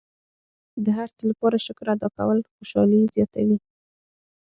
د هر څه لپاره شکر ادا کول خوشحالي زیاتوي.